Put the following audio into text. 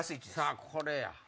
あっこれや！